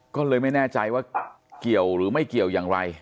ก็เลยไม่แน่ใจว่าเกี่ยวหรือไม่เกี่ยวอย่างไร